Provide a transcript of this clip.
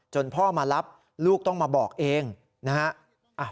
พ่อมารับลูกต้องมาบอกเองนะฮะ